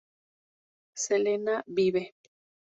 Selena ¡vive!